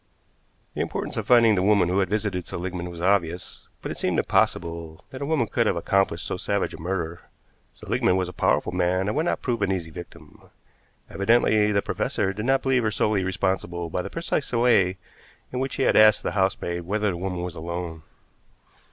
The importance of finding the woman who had visited Seligmann was obvious, but it seemed impossible that a woman could have accomplished so savage a murder. Seligmann was a powerful man and would not prove an easy victim. Evidently the professor did not believe her solely responsible by the precise way in which he had asked the housemaid whether the woman was alone.